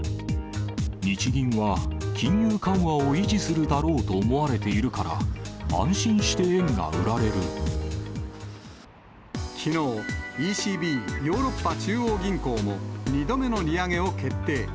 日銀は金融緩和を維持するだろうと思われているから、きのう、ＥＣＢ・ヨーロッパ中央銀行も、２度目の利上げを決定。